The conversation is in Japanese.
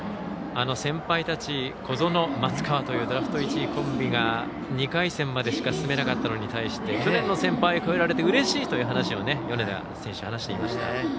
先輩たち、小園、松川というドラフト１位コンビが２回戦までしか進めなかったのに対して去年の先輩を越えられてうれしいと米田選手、話していました。